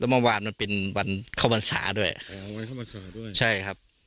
แต่เมื่อวานมันเป็นวันเข้าพรรษาด้วยเออวันเข้าพรรษาด้วยใช่ครับ